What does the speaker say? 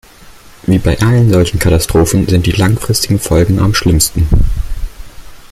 Wie bei allen solchen Katastrophen sind die langfristigen Folgen am schlimmsten.